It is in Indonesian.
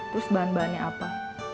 terus bahan bahannya apa